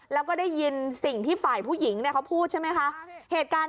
แล้วก็ได้ยินสิ่งที่ฝ่ายผู้หญิงเขาพูดใช่ไหมคะ